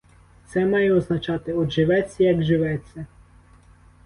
Це має означати: от живеться, як живеться.